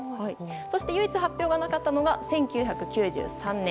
そして唯一、発表がなかったのは１９９３年。